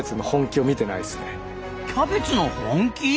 キャベツの本気？